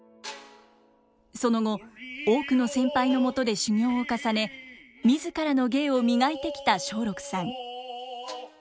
その後多くの先輩のもとで修業を重ね自らの芸を磨いてきた松緑さん。